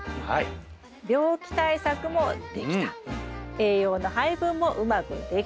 栄養の配分もうまくできた。